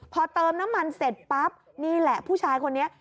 พอเติมน้ำมันเสร็จปั๊บนี่แหละผู้ชายคนนี้